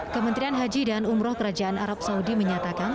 kementerian haji dan umroh kerajaan arab saudi menyatakan